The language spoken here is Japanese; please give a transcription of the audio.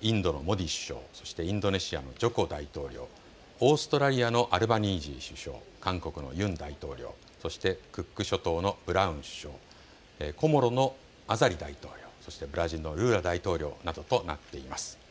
インドのモディ首相、そしてインドネシアのジョコ大統領、オーストラリアのアルバニージー首相、韓国のユン大統領、そしてクック諸島のブラウン首相、コモロのアザリ大統領、そしてブラジルのルーラ大統領などとなっています。